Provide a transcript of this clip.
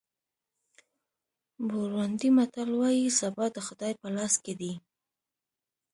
بورونډي متل وایي سبا د خدای په لاس کې دی.